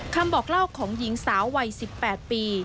คำบอกเล่าของหญิงสาววัย๑๘ปี